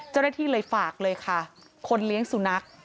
เจ้าหน้าที่เลยฝากเลยค่ะคนเลี้ยงสุนัข